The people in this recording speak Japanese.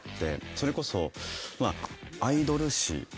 それこそ。